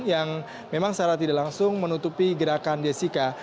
yang memang secara tidak langsung menutupi gerakan jessica